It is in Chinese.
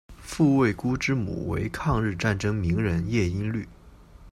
傅慰孤之母为抗日战争名人叶因绿。